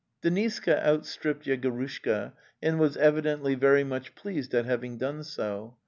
Deniska outstripped Yegorushka, and was evi dently very much pleased at having done so.